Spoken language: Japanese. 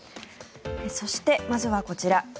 そして、まずはこちら。